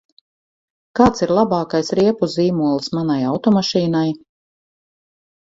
Kāds ir labākais riepu zīmols manai automašīnai?